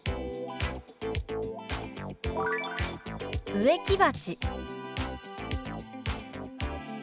「植木鉢」。